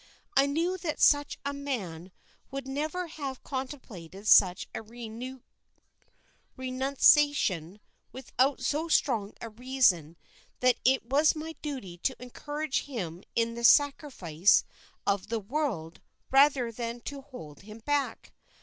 I knew that such a man would never have contemplated such a renunciation without so strong a reason that it was my duty to encourage him in his sacrifice of the world rather than to hold him back.